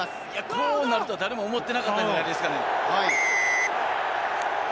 こうなるとは誰も思っていなかったんじゃないですかね。